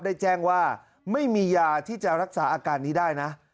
ได้แจ้งว่าไม่มียาที่จะรักษาอาการนี้ได้นะ